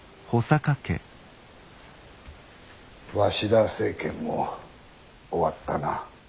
鷲田政権も終わったな。